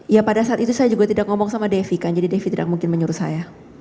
ya pada saat itu saya juga tidak ngomong sama devi kan jadi devi tidak mungkin menyuruh saya